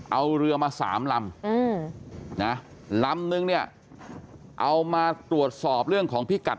เอาเรือมา๓ลำนะลำนึงเนี่ยเอามาตรวจสอบเรื่องของพิกัด